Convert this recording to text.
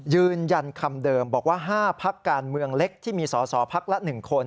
ยืนยันคำเดิมบอกว่า๕พักการเมืองเล็กที่มีสอสอพักละ๑คน